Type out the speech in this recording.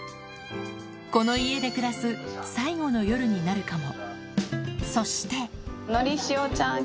この家で暮らす最後の夜になるかも。